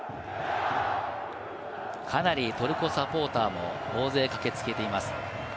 かなりトルコサポーターも大勢、駆けつけています。